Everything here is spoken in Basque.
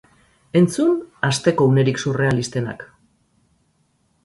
Entzun asteko unerik surrealistenak.